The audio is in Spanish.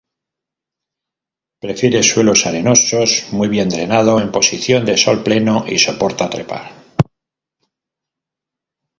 Prefiere suelos arenosos, muy bien drenado, en posición de sol pleno, y soporta trepar.